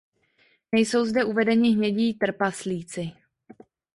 Nejsou zde uvedeni hnědí trpaslíci.